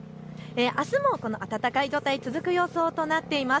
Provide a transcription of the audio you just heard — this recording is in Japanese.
あすもこの暖かい状態、続く予想となっています。